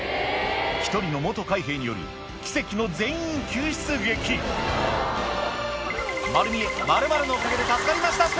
一人の海兵による奇跡の全員救出劇『まる見え！』「○○のおかげで助かりましたＳＰ」